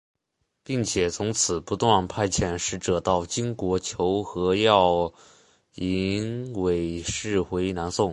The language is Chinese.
并且从此不断派遣使者到金国求和要迎韦氏回南宋。